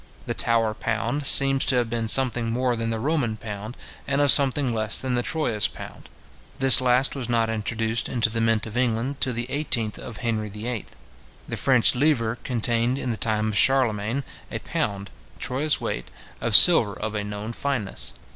The Tower pound seems to have been something more than the Roman pound, and something less than the Troyes pound. This last was not introduced into the mint of England till the 18th of Henry the VIII. The French livre contained, in the time of Charlemagne, a pound, Troyes weight, of silver of a known fineness.